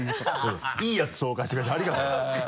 いいやつ紹介してくれてありがとう。